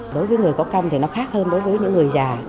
đối với người có công thì nó khác hơn đối với những người già